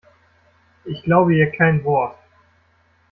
Ich glaube ihr kein Wort.